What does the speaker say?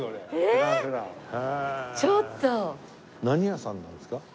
何屋さんなんですか？